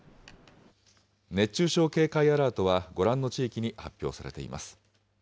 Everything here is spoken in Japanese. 熱中症警戒アラートはご覧の地域に発表されています。